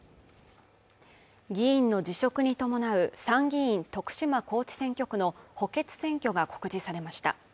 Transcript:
議員の辞職に伴う参議院徳島高知選挙区の補欠選挙が告示されました